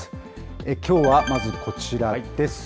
きょうはまずこちらです。